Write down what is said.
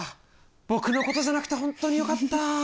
僕のことじゃなくてほんとによかった。